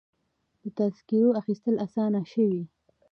د تذکرو اخیستل اسانه شوي؟